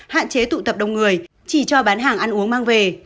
hạn chế tụ tập đông người chỉ cho bán hàng ăn uống mang về